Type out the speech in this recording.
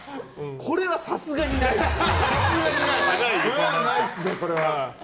これはさすがにないですね。